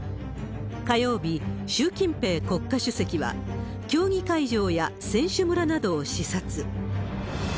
火曜日、習近平国家主席は、競技会場や選手村などを視察。